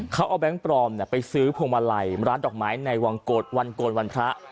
เขาเอาแบงค์ปลอมไปซื้อพวงมาลัยร้านดอกไม้ในวังโกนวันพระ